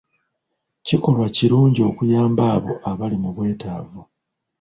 Kikolwa kirungi okuyamba abo abali mu bwetaavu.